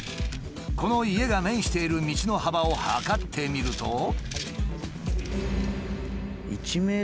この家が面している道の幅を測ってみると。